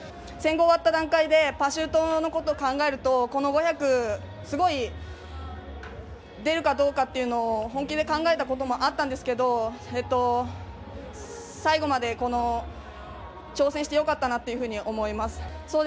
１５００が終わった段階でパシュートのことを考えるとこの５００、すごい出るかどうかっていうのを本気で考えたこともあったんですけど、最後まで挑戦して良かったなっていうふうに思います。